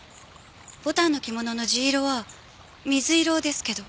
牡丹の着物の地色は水色ですけど。